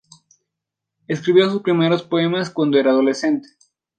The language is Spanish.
Escribió sus primeros poemas cuando era adolescente.